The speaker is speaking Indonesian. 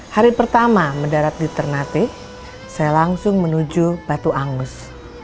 hari pertama mendarat di ternate saya langsung menuju batu angus